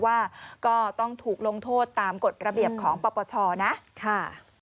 ว่าก็ต้องถูกลงโทษตามกฎระเบียบของปปชนะค่ะ